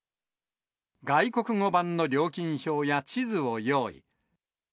外国語版の料金表や地図を用意。